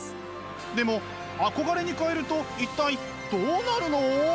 でも「憧れ」に換えると一体どうなるの？